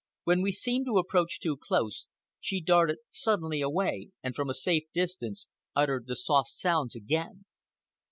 When we seemed to approach too close, she darted suddenly away and from a safe distance uttered the soft sounds again.